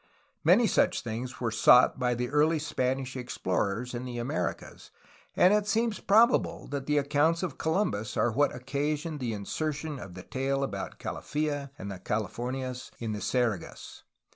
Many such things were sought by the early Spanish explorers in the Americas, and it seems probable that the accounts of Columbus are what occasioned the insertion of the tale about Calafia and the Californias in the Sergas.